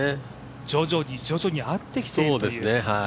徐々に徐々に合ってきているという。